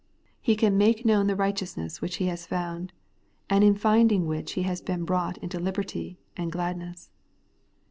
He can make known the righteousness which he has found, and in finding which he has been brought into liberty and gladness.